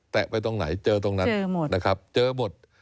แตะไปตรงไหนเจอตรงนั้นนะครับเจอหมดเจอหมด